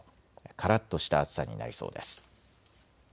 からっとした暑さになりそうです。